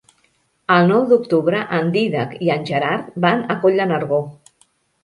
El nou d'octubre en Dídac i en Gerard van a Coll de Nargó.